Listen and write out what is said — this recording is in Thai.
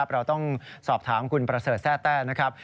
เราต้องสอบถามคุณประเสริฐแทร่แต้นะครับ